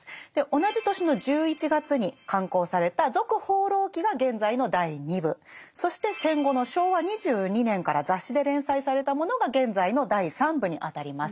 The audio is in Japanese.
同じ年の１１月に刊行された「続放浪記」が現在の第二部そして戦後の昭和２２年から雑誌で連載されたものが現在の第三部に当たります。